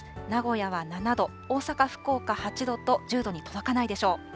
名古屋は７度、大阪、福岡８度と、１０度に届かないでしょう。